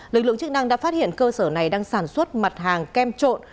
lực lượng chức năng đã phát hiện cơ sở này đang sản xuất mặt hàng kem trộn